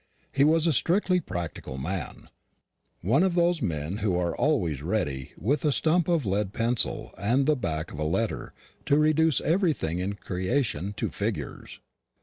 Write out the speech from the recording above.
He was a strictly practical man one of those men who are always ready, with a stump of lead pencil and the back of a letter, to reduce everything in creation to figures.